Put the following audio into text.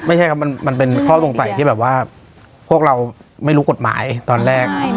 ไม่ใช่ครับมันเป็นข้อสงสัยที่แบบว่าพวกเราไม่รู้กฎหมายตอนแรก